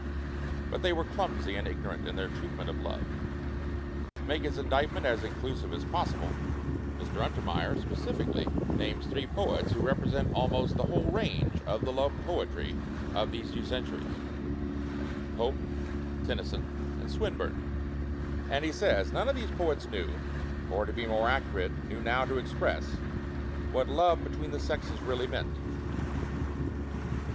But they were "clumsy" and "igno rant" in their treatment of love. To make his indictment as inclusive as possible, Mr. Untermeyer specifically 78 THE BOOKMAN names three poets who represent al most the whole range of the love po etry of these two centuries — ^Pope, Tennyson, and Swinburne. And he says: "None of these poets knew, or to be more accurate, knew now to ex press, what love between the sexes really meant."